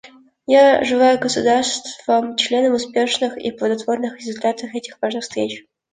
Я желаю государствам-членам успешных и плодотворных результатов этих важных встреч.